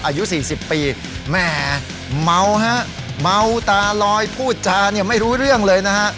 อายุ๔๐ปีแม่เมาฮะเมาตาลอยพูดจาเนี่ยไม่รู้เรื่องเลยนะฮะ